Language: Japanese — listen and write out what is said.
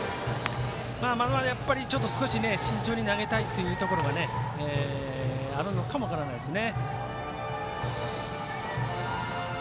ちょっと慎重に投げたいというところがあるのかも分からないですね。